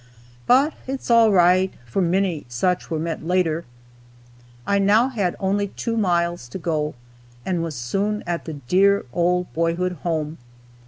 But it's all right, for many such were met later. I now had only two miles to go, and was soon at the dear old boyhood home.